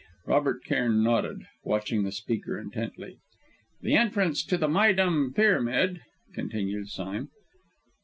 Robert Cairn nodded, watching the speaker intently. "The entrance to the Méydûm Pyramid ," continued Sime.